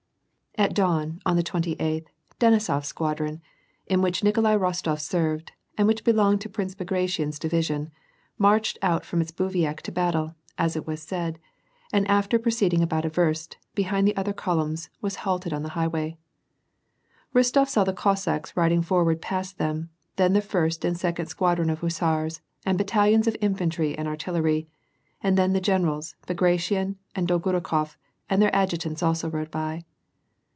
At dawn, on the twenty eighth, Denisofs squadron, in which Nikolai Rostof served, and which belonged to Prince Bagra tion's division, marched out from its bivouac to battle, as it was said, and after proceeding about a verst, behind the other columns, was halted on the highway. Rostof saw the Cossacks riding forward past them, then the first and second squadron of hussars, and battalions of infantry and artillery; and then the generals, Bagration and Dolgoru kof, and their adjutants also rode by.